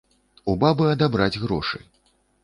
У бабы адабраць грошы.